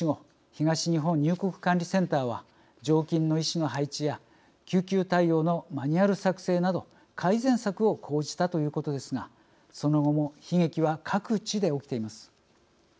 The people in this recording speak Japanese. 東日本入国管理センターは常勤の医師の配置や救急対応のマニュアル作成など改善策を講じたということですがその後も悲劇は各地で起きています。